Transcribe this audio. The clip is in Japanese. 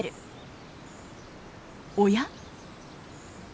おや？